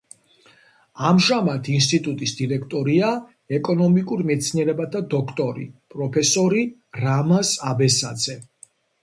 ამჟამად ინსტიტუტის დირექტორია ეკონომიკურ მეცნიერებათა დოქტორი, პროფესორი რამაზ აბესაძე.